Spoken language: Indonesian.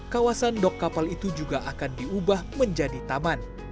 kawasan dok kapal itu juga akan diubah menjadi taman